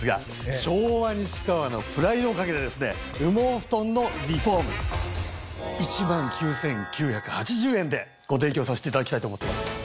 昭和西川のプライドを懸けて羽毛ふとんのリフォーム。でご提供させていただきたいと思ってます。